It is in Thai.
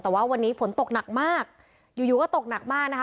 แต่ว่าวันนี้ฝนตกหนักมากอยู่อยู่ก็ตกหนักมากนะคะ